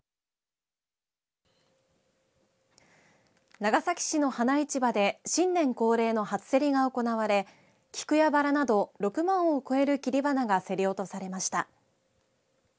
長崎市の花市場で新年恒例の初競りが行われ菊やばらなど６万を超える切り花が競り落とされました。